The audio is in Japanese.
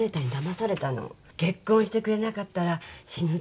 結婚してくれなかったら死ぬって。